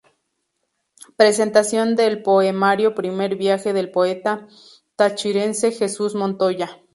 Presentación del poemario Primer viaje del poeta tachirense Jesús Montoya.